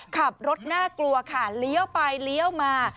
ขับรถน่ากลัวค่ะเลี้ยวไปเลี้ยวมา